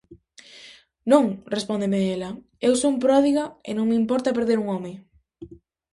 Non -respóndeme ela-, eu son pródiga e non me importa perder un home.